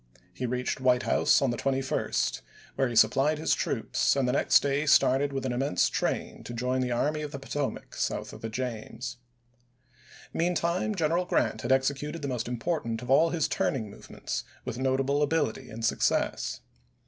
He reached White House on the 21st, where he supplied his troops, and the next day started with an immense train to join the Army of the Potomac south of the James. Meantime General Grant had executed the most important of all his turning movements with notable ability and success.